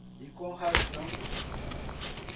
E com razão